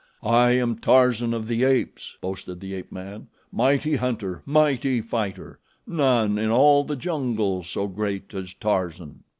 "I am Tarzan of the Apes," boasted the ape man; "mighty hunter, mighty fighter! None in all the jungle so great as Tarzan."